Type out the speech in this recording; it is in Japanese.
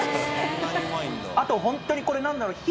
あとホントにこれ何だろう。